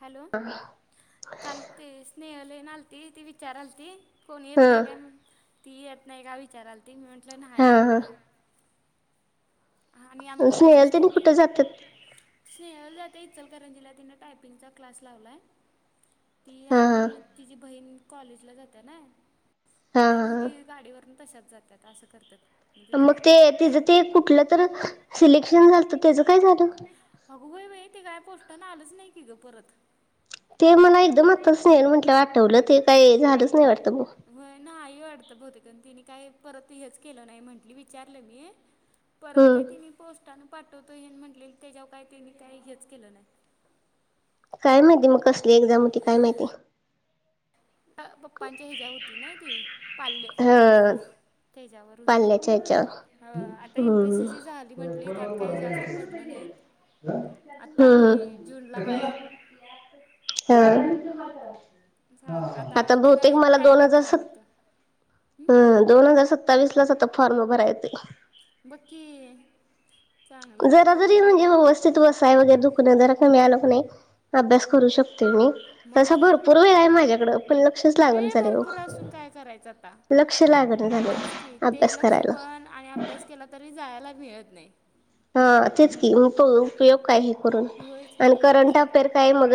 Hello. ह काल ते स्नेहल हेन आलती, ती विचारालती कोणी हा येत नाही काय म्हणून. ती येत नाही का विचारलाती मी म्हटल हा नाही अग. हा आम्ही स्नेहल त्यांनी कुठे जात्यात. स्नेहाला जाते इचलकरंजीला तिनं टायपिंगचा क्लास लावलाय. ती हा हा आणि तिची बहीण कॉलेजला जाते ना मग हा त्या दोघी हा गाडीवरून. तशाच जातात असं करत्यात. मग ते तचं ते कुठलं तर सिलेक्शन झालत त्याचं काय झालं. अगं व्हय व्हय ती काय पोस्टां आलंच नाही ति गं परत. ते मला एकदम आत्ताच नाही म्हटलं आठवलं ते काही झालंच नाही वाटतं मग. वय नाही वाटतं बहुतेक तिने काही परत ते हेच केलं नाही म्हंटली विचारलं मी. परत हम्म काय तिनी पोस्टानं पाठवतो हे म्हटले त्याच्यावर काय त्यांनी काही हेच केलं नाही. काय माहिती मग कसली एक्झाम होती काय माहिती. ह पप्पांच्या हच्या्या होती नाही ती पाल हम, हा हच्यावर. पाल्याच्या ह्याच्यावर आता हम्म एमपीसी झाली म्हंटली त्यात काही जास्त पडलं नाहीत. आता हम्म आणि जूनला आहेय. ह, आता बहुतेक तिला मला दोन टायपिंग हजार स''--'' करायला लागतं. ह, दोन हजार सत्तावीस लाच आता फॉर्म भराय येतय बघ. बघ की, चांगलं जरा कवर जरी होईल म्हणजे आवस. चीत वसाय वगैरे दुखणे का मी नाही अभ्यास करू शकते मी. मग तसं काय भरपूर वेळ आहे माझ्याकडं. पण लक्षच लागण वेळ झाले हो भरपूर असून काय करायचं आता लक्ष लागना झालंय. तेच अभ्यास करराल. तिला तरी जायला मिळत नाही. हा तेच की, उ उपयोग काय हे करून होयच आणि की करंट सांग अफेअर काय मग.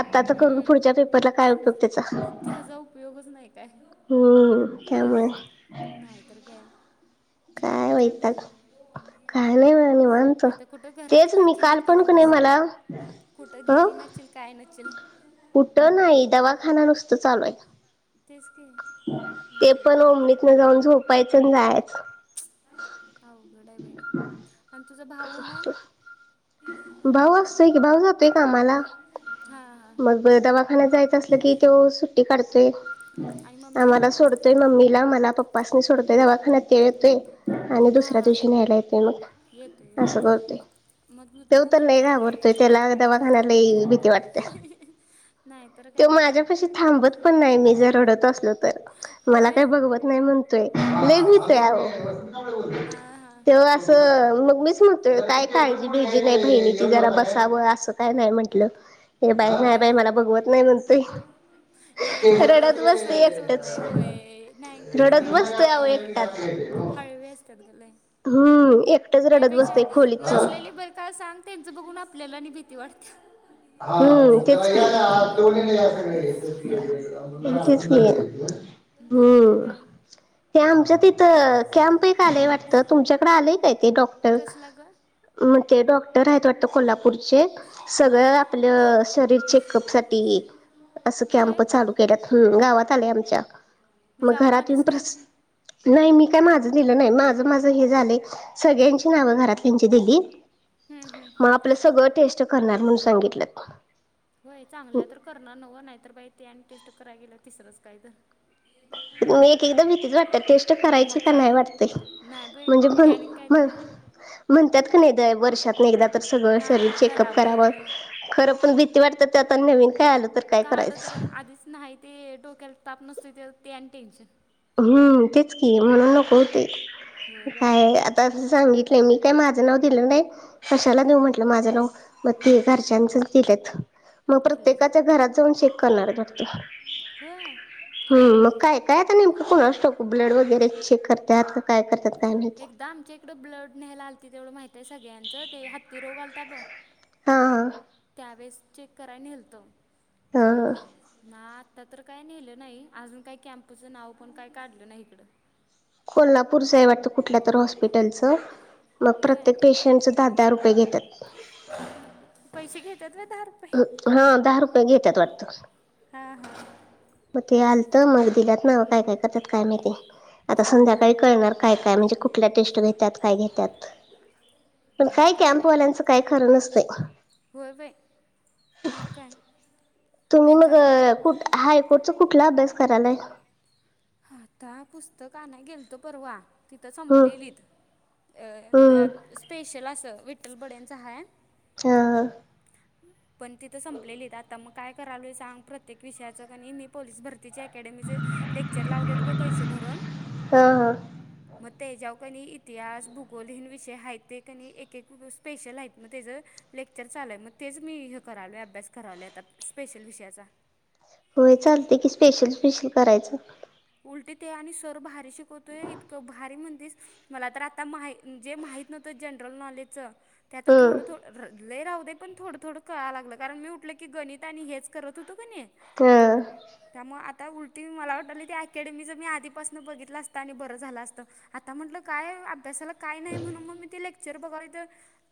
आता तर करून हम्म पुढच्या पेपरला काय उपयोग त्याचा. तिजा उपयोगच नाही काय. हम, काय माहित. तरीबी आणि आत काय मु ''--'' काय नाही बघा निवांत तेच घरातच मी असशील काल इतके पण क नाही दिवस मला. कुठं अ गेली नसेल काय नसेल. कुठं नाही दवाखाना नुसतं चालू आहे. तेच. की ते पण अवघड आहे उम्मीतन जाऊन झोपायचं जायच. अवघड आहेे आणि तुझ भाऊ मग. भाऊ असतोय की, भाऊ जातोय कामाला. हां हां मग दवाखान्यात जायचं असलं की ते सुट्टी काढतेय आणि मम्मी आम्हाला सोडतोय मम्मीला मला पप्पासनी सोडतोय दवाखान्यात घ्याय येतोय. आणि हां हां दिवशी न्यायला येते येतो मग आहे असं करते. मग त्यो तू तर मम्मी लय पप्पा घाबरते त्याला दवाखान्यात आहे भीती वाटते. नाही तर. तो काय ग माझ्या पशी थांबत पण नाही मी जरडत. असलं तर मला होय काही बघवत नाही म्हणतोय लय भितोय आव. हा हा ते असं मग मीच म्हणतोय. तर काय काळजी भेजी नाही बहिणीची जरा बसावं असं काय नाही म्हटलं. हे बाय, नाय ह. बाई मला बघवत नाही म्हणतोय. नाही एकेकाला ह्याचं बसतय सहनच होत एकटच, नाही होय नाही आणि रडत एकेकाला बसतय ते आहो हा एकटाच. हळवे असतात ग लय हम्म एक त्यापेक्षा नसलेले बरं का सांग, त्यांचं बघून आपल्याला आणि भीती वाटत्या. हं तेच, तेचकी. नाहीतर काय. ते आमचं तिथं कॅम्प एक आलंय वाटतं, तुमच्याकडे आलंय काय ते कसला ग. मग ते डॉक्टर आहेत वाटत कोल्हापूरचे, बर सगळ आपलं शरीर चेकअपसाठी, असं होय कॅम्प चालू केल्यात. हम् गावात आलय आमच्या, मग जाऊन घरात येऊन आलीस प्र काय नाही मी काय माझं दिलं नाही, माझं माझं हे झालंय. सगळ्यांची नावं घरातल्यांची दिली. हं-हं. मग आपलं सगळं टेस्ट करणार म्हणून सांगितल्यात. होय चांगल तर करणार नव्ह, नाहीतर बाई ते आणि टेस्ट कराय गेलं तिसरंच काय तर. मग एक एकदा भीतीच वाटत्या, टेस्ट करायची मग का काय नाही वाटतय. नाही बाई म्हणजे पण त्याने काय तर म्हणतात का नाही दय वर्षात न एकदा तर सगळं शरीर चेकअप करावं. खरं पण भीती वाटत्या त्यात आणि नवीन काय आलं तर. काय आलं तर आधीच नाही ते डोक्याला ताप नसतोय ते, ते आणि टेन्शन. हम्म तेच की म्हणून नको होतयं होय बाई ना काय. तसं सांगितलंय मी काय माझं नाव दिलं नाही, कशाला देऊ हम्म, म्हटलं माझं नाव. मग ते घरच्यांच दिल्यात. मग दिल्याचं प्रत्येकाच्या घरात जाऊन चेक करणार आहेत वाटत. होय हम्म मग काय काय. नेमकं कोणास ठाऊक, ब्लड वगैरे चेक करतात का काय करतात काय माहिती. एकदा आमच्या इकडं ब्लड न्यायला आलतीत तेवढं माहितय सगळ्यांचं, ते हत्ती रोग आलता बघ हां-हां. त्यावेळेस चेक करायला नेलत. हा हा. ना आता तर काय नेलं नाही, अजून काही कॅम्पचं नाव पण काय काढलं नाही इकडं. कोल्हापूरचं आहे वाटत कुठल्या तर हॉस्पिटलचं. मग होय प्रत्येक पेशं शंटच त्यांच दहा-दहा रुपये घेतात. पैसे घेतात होय दहा रुपये. हा दहा रुपये घेतात वाटतं. हा हा. मग ते आलत मग दिल्यात नव्ह, काय काय करतात काय माहिती. आता हां हां संध्याकाळी कळणार, काय काय म्हणजे कुठल्या टेस्ट घेत्यात काय घेत्यात, पण मग आता काय कॅमवाल्यांच काय खरं नसतय. [unintelligible] मुल त्यांचं ग आता कुठ हायकोर्टचा कुठला अभ्यास करालाय. आता पुस्तक आणाय गेलतो परवा, तिथं हम्म संपलेलीत. हम्म स्पेशल असं विठ्ठल बडेंच हाय. हां. पण तिथं संपलेलीत. आता मग काय करालोय सांग, प्रत्येक विषयाचं कनी मी पोलीस भरतीची अकॅडमी की जे लेक्चर लावलेलं ग पैसे भरून हा हा मग त्याच्यावर क णी इतिहास, भूगोल विषय आहेत ते क नी एक एक स्पेशल आहेत मग त्याचं लेक्चर चालूये मग तेच मी हे करायलो अभ्यास करायलो आता स्पेशल विषयाचा होय, चालते की स्पेशल स्पेशल करायचं. उलटे ते आणि सर भारी शिकवतोय इतकं भारी म्हणतेस मला तर आता मा जे माहि त नव्हत जनरल नॉलेजच ते आता हम्म थोडं थोडं लई राहू दे पण थोडं थोडं कळा लागलं कारण, मी उठलं की गणित आणि हेच करत होतो का नी हा त्यामुळ आता उलटी मला वाटायला ते अकॅ अकॅडमीच मी आधीपासून बघितलं असतं आणि बर झाला असतं आता म्हटलं काय अभ्यासाला काही नाही म्हणून मग मी ते लेक्चर बघाली तर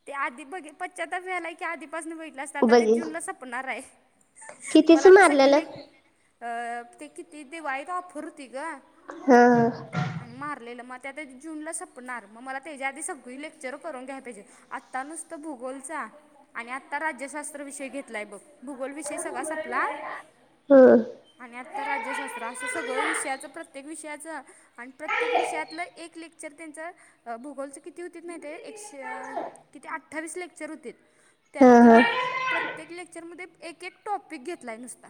ते आधी बघ पश्चाताप व्हायला की आधीपासून बघि तलास आता ते बघे जूनला संपणार आहे मला कितीच आता सगळी मारलेलं लेक्च अह ते किती दिवाळीत ऑफर होती ग हां. आणि मारलेलं मग त्या ते जूनला संपणार मग मला त्याच्या आधी सगळी लेक्चर करून घ्याय पाहिजे. आत्ता नुसत भूगोलचा आणि आत्ता राज्यशास्त्र विषय घेतलाय बघ. भूगोल विषय सगळा संपला हम्म आणि आता राज्यशास्त्र असं सगळ विषय विषयाच प्रत्येक विषयाच आणि प्रत्येक विषयातलं एक लेक्चर त्यांच भूगोलचे किती होतीत माहितीये एकशे किती अठ्ठावीस लेक्चर होतीत. त्यात हा हा तिनी प्रत्येक लेक्चरमध्ये एक एक टॉपिक घेतलाय नुसता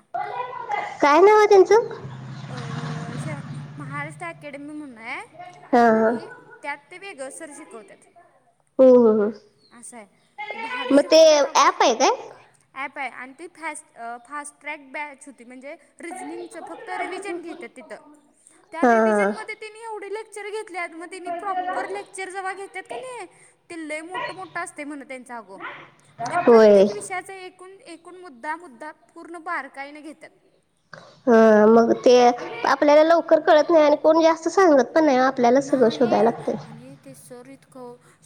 काय नाव आहे त्यांचं अह महाराष्ट्र अकॅडमी म्हणून आहे हा हा आणि त्यात ते वेगळ सर शिकवत्यात. हम्म हम्म असंय भारी मग ते शिकवत्यात अग ऍप आहे काय ॲप आहे आणि ती फॅस्ट फास्ट ट्रॅक बॅच होती म्हणजे रिजनिंगचं फक्त फक्त रिविजन घेतात तिथं, त्या रिविजन मध्ये हा त्यांनी एवढे लेक्चर घेतले अन म त्यानी प्रॉपर लेक्चर जेव्हा घेतात का ते लय मोठ मोठ असते म्हण त्यांच अग म्हणजे होय प्रत्येक विषयाचा एकूण एकूण मुद्दा मुद्दा पूर्ण बारकाईने घेत्यात. ह मग ते आपल्याला लवकर कळत नाही आणि कोण जास्त सांगत पण नाही आपल्याला सगळं शोधायला नाही लागतंय आणि ते सर इतक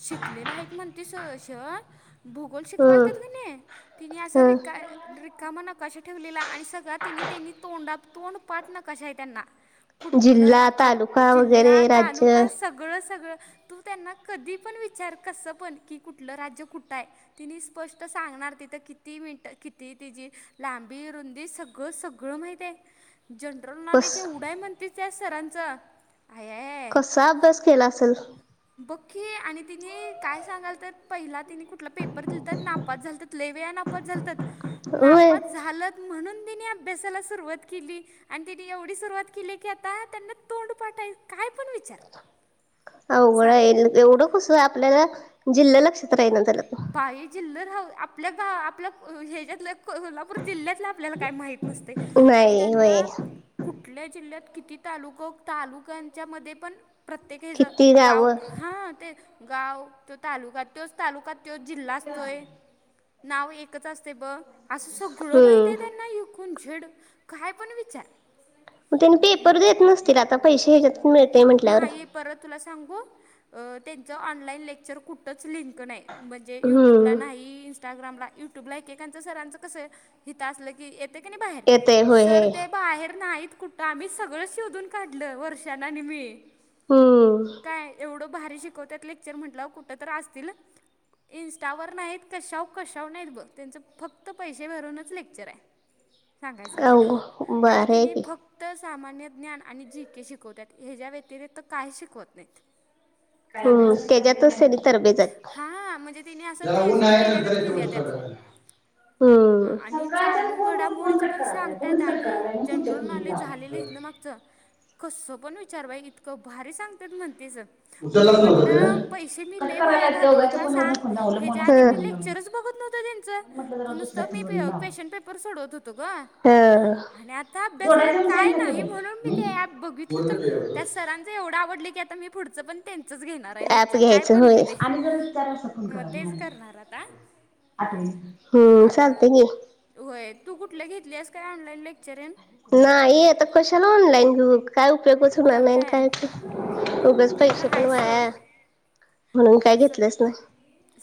शिकलेलं आहे म्हण ते सर भूगोल हम्म शिकवालता का त्यानी तिने असं रिका हम्म रिकामा नकाशा ठेवलेला आणि सगळा तिनी त्यांनी तोंडा तोंड पाठ नकाशा आहे त्यांना कुठलं जिल्हा राज्य तालुका वगैरे जिल्हात राज्य सगळं सगळं तू त्यांना कधी पण विचार कस पण की कुठलं राज्य कुठं ये. तिनी स्पष्ट सांगणार तिथं किती किती तिची लांबी रुंदी सगळ सगळ सगळ माहित ये. जनरल कस नॉलेज एवढ ये म्हणते त्या सरांच कसा अभ्यास केला असेल. बघ की आणि तिनी काय सांगालते पहिला तिनी कुठला दिलता नापास झालते लई वेळा नापास झालतात, होय नापास झालत म्हणून त्यानी अभ्यासाला सुरुवात केली. आणि त्यानी एवढी सुरुवात केली की आता त्यांना तोंड पाठ ये काय पण विचार अवघड सांग ये एवढं कस आपल्याला जिल्हा लक्षात राहीना झालत. बाई जिल राह आपल्या गाव आपल्या ह्याच्यातलं कोल्हापूर जिल्ह्यातल्या आपल्याला काही माहित नसतय आणि नाही होय त्यांना कुठल्या जिल्ह्यात किती तालुकं तालुक्यांच्या मध्ये पण प्रत्येक ह्याच किती गाव गावं हा ते गाव त्यो तालुका त्योच तालुका त्यो जिल्हा असतोय नाव एकच असते, ब असं सगळं हम्म माहितीये त्यांना ए टु न् झेड, काय पण विचार. मग त्यांनी पेपर मो देत नसतील आता, पैसे ह्याच्यात मिळतेय म्हटल्यावर? नाही परत तुला सांगू अ त्यांच ऑनलाईन लेक्चर कुठच लिंक नाही. म्हणजे युट्यूबला हम्म नाही, इंस्टाग्रामला, युट्यूबला एकेकांचं सरांचं कसं ये हिता असलं की ए येते का नाही बाहेर, येतय होय सर हे ते बाहेर नाहीत कुठं त आम्ही सगळं शोधून काढलं, वर्षानं आणि मी. हम्म काय एवढं भारी शिकवत्यात लेक्चर म्हंटल्यावर कुठं तर असतीलच? इंनस्टावर नाहीत कशाव -कशाव नाहीत, बघ त्यांचं फक्त पैसे भरूनच लेक्चर ये. [inaudible] सांगायचं म्हणजे अवघ बर आणि आहे तिने की फक् क्त सामान्य ज्ञान आणि जी के शिकवत्यात, ह्याच्या व्यतिरिक्त काही शिकवत नाहीत. हम्म सांगायचं म्हणजे त्याच्यातच त्यांनी तरबे जात हा म्हणजे तिने असं पी ज्याला एच ऊन डी आहे केल्या गत नंतर येते केल्या म्हणतो त्यात. सगळं हम्म आणि सकाळच्याच चालू फोन करून फोन घडामोडीचं कट पण करायलाय सांगत्यात, फोनच कट आणि करायलाय मग तुमच्या जनरल नॉलेज झालेले फोनवर इथंन मा लावला मागच कसं पण विचार बाई इतकं भारी सांगत्यात म्हणते सर. मी उचललाच नव्हता म्हंटलं त्यानं पैसे मी कट लैई वाया करायलाय घालूलं दोघांच्या का अस फोनवरन सांग फोन लावला ह्याच्या मोनाच्या आधी मी फोनवरन लावला लेक्चरच बघत नव्हते त्यांचं, म्हणून म्हटलं जरा दुसऱ्या नुसतं मी फोनवरन लावा क्वेशन पेपर सोडत होत तो गं, हा आणि आता अभ्यासाला जोडायचं म्हणून काय सांगितलं नाही केबल म्हणून मी हम्म ते एप बघितल तर बोललो त्या की सरान चं, एवढं आवडलं की आता मी पुढचं पण त्यांचंच घेणार ऍप आहे, काय घ्यायचं पण होऊ होय. दे. आणि जर विचार असं फोन म करा तेच मॅडमला करणार आता, आठवणीनं. हम्म आता चालतंय त की. होय तू कुठलं घेतलीस काय? ऑनलाईन लेक्चरेन नाही आता कशाला ऑनलाईन घेऊ, काय उपयोगच उपयोग नाही अन् काय नही उगच ते तर पैशे पण हाय सोड वाया म्हणून काय आता सग घेतलंच नाही,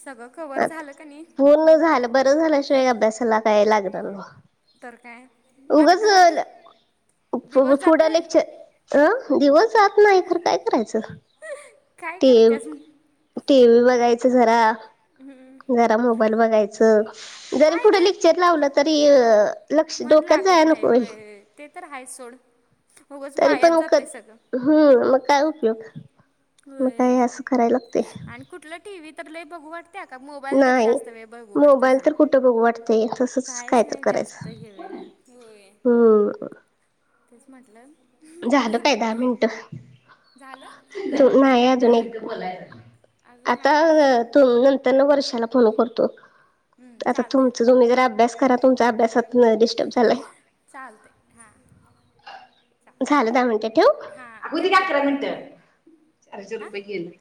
सगळं कवर आ झालं का नाही पूर्ण मग झालं बर झाल्याशिवाय अभ्यासला काय लागणार नाही. तर काय? मग आता उगचं घरात लं, दिवस फु- फुडं जातोय लेक्चर् अ दिवस जात ना खर काय करायचं, काय ते करतेस टी व्ही बघायच जरा. हम्म, जरा मोबाईल बघायचं, जरी काय पुढ ते लेक्चर लावलं तरी अ लक्ष दो मन लागत नाही होय, ते तर आहे सोड. उगच तरी वायात पण जातंय उगच, सगळं हं मं काय उपयोग? मग होय काय असं करायला लागते. आणि कुठलं टी व्ही तर लैई बघू वाट वाढत्या का मोबाईल तर नाही जास्त वेळ बघू वाटतंय मोबाईल सांग, तर कुठं बघू वाटतय तसच काय काहीच तर नाही जास्त करायचं. हे वेळ होय. हम्म, तेच म्हटलं झाल काय आ दहा मिनटं? झालं आता नाही काय अजून कर एक, अजून हाय आता अं तु नंतर न वर्षाला फोन करतो. आता चालते तुमचं तुम्ही जरा अभ्यास करा, तुमचा अभ्यासात लैय डिस्टर्ब झालायं. चालतंय हां. चाल झालं दहा मिनटं ठेवु? हां अगं होऊ दे ठेव का ठेव अकरा मिनटं, चार -चार हां रुपये गेले.